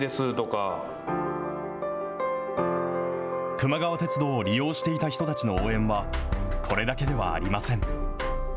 くま川鉄道を利用していた人たちの応援は、これだけではありません。